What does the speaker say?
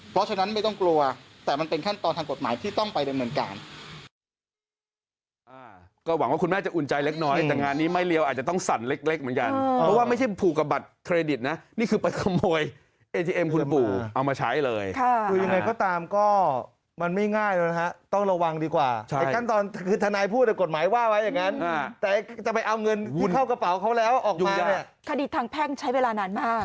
เพราะฉะนั้นไม่ต้องกลัวแต่มันเป็นขั้นตอนทางกฎหมายที่ต้องไปดำเนินการ